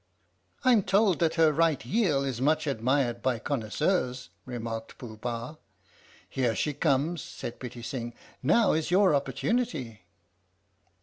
" I'm told that her right heel is much admired by connoisseurs," remarked Pooh Bah. " Here she comes," said Pitti Sing. " Now is your opportunity."